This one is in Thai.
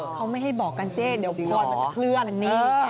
เขาไม่ให้บอกกันเจ๊เดี๋ยวพ่อจะเคลื่อน